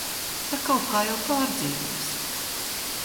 Tak kaut kā jau pārdzīvos.